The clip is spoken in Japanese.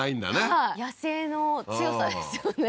はい野生の強さですよね